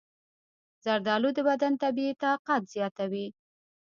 زردآلو د بدن طبیعي طاقت زیاتوي.